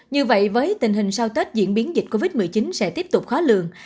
như vậy với tình hình sau tết diễn biến dịch covid một mươi chín sẽ tiếp tục khó lường